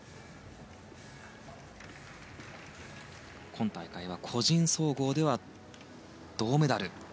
今大会は個人総合では銅メダル。